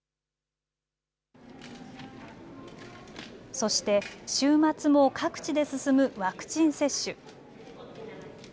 そして、週末も各地で進むワクチン接種。